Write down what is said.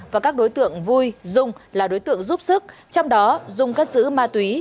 và các đối tượng vui dung là đối tượng giúp sức trong đó dùng cất giữ ma túy